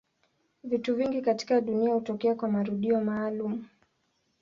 Vitu vingi katika dunia hutokea kwa marudio maalumu.